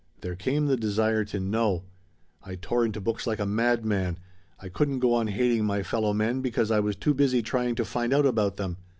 There came the desire to know. I tore into books like a madman. I couldn't go on hating my fellow men because I was too busy trying to find out about them.